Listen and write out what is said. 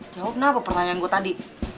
jawab nah apa pertanyaan gue tadi